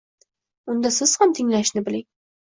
Unda siz ham tinglashni biling!